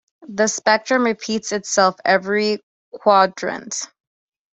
The spectrum repeats itself every quadrant.